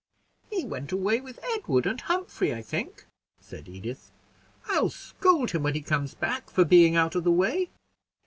"He went away with Edward and Humphrey I think," said Edith. "I'll scold him when he comes back, for being out of the way."